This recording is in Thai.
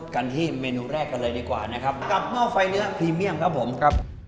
กันที่เมนูแรกกันเลยดีกว่านะครับกับหม้อไฟเนื้อพรีเมียมครับผมครับ